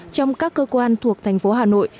trong các cơ quan thuộc thành phố hà nội